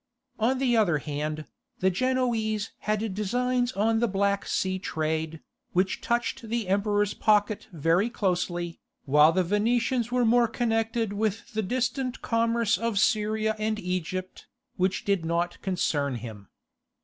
On the other hand, the Genoese had designs on the Black Sea trade, which touched the Emperor's pocket very closely, while the Venetians were more connected with the distant commerce of Syria and Egypt, which did not concern him.